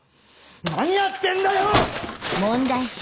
何やってんだよ‼